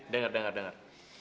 dengar dengar dengar